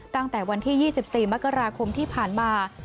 ตั้งแต่วันที่๒๔มกราคมที่ผ่านมา